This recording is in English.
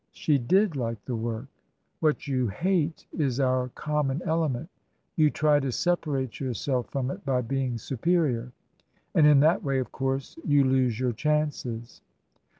She did like the work. " What you hate is our common element. You try to separate yourself from it by being superior. And in that way, of course, you lose your chances."